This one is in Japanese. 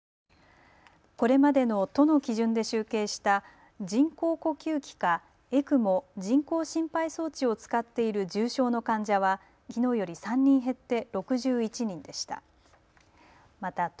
これまでの都の基準で集計した人工呼吸器かＥＣＭＯ・人工心肺装置を使っている重症の患者はきのうより３人減って６１人でした。